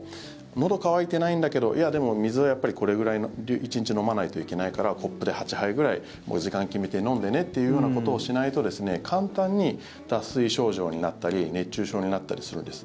のど渇いてないんだけどでも、水はこれくらい１日飲まないといけないからコップで８杯くらい時間決めて飲んでねというようなことをしないと簡単に脱水症状になったり熱中症になったりするんです。